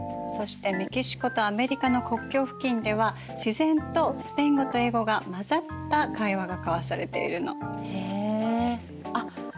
そしてメキシコとアメリカの国境付近では自然とスペイン語と英語が交ざった会話が交わされているの。